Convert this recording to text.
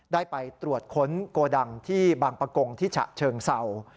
ได้ไปตรวจค้นโกดังที่บางประกงที่ฉะเชิงเศร้า